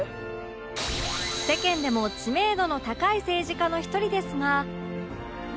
世間でも知名度の高い政治家の一人ですが